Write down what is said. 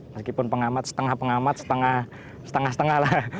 meskipun pengamat setengah pengamat setengah setengah lah